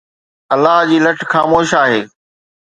الله جي لٺ خاموش آهي.